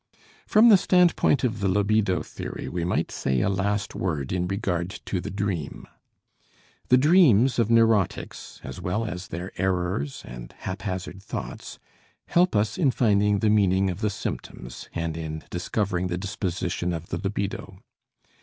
From the standpoint of the libido theory we might say a last word in regard to the dream. The dreams of neurotics, as well as their errors and haphazard thoughts, help us in finding the meaning of the symptoms and in discovering the disposition of the libido.